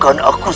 dan aku akan